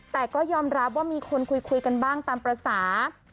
แต่ก็ยอมรับว่ามีคนคุยกันบ้างตามภาษา